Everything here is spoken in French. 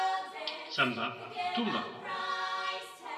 Ca me va ! tout me va !